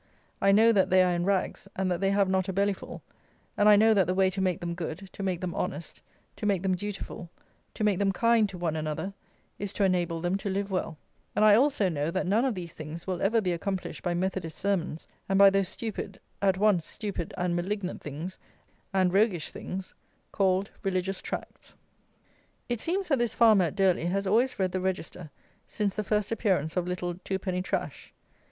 I know that they are in rags, and that they have not a belly full; and I know that the way to make them good, to make them honest, to make them dutiful, to make them kind to one another, is to enable them to live well; and I also know that none of these things will ever be accomplished by Methodist sermons, and by those stupid, at once stupid and malignant things, and roguish things, called Religious Tracts. It seems that this farmer at Durley has always read the Register, since the first appearance of little Two penny Trash.